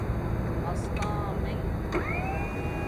استامنݣ